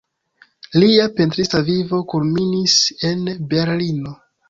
Lia pentrista vivo kulminis en Berlino.